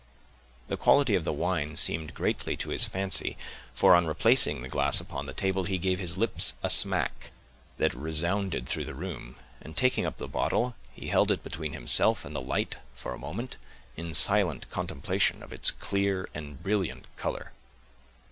The quality of the wine seemed greatly to his fancy, for, on replacing the glass upon the table, he gave his lips a smack, that resounded through the room; and, taking up the bottle, he held it between himself and the light, for a moment, in silent contemplation of its clear and brilliant color.